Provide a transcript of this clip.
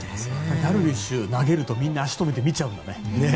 ダルビッシュ投げるとみんな足を止めて見ちゃうんだね。